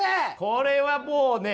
これはもうね。